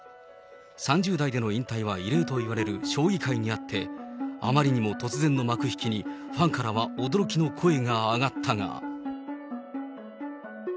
３０代での引退は異例といわれる将棋界にあって、あまりにも突然の幕引きに、ファンからは驚きの声が上がったが。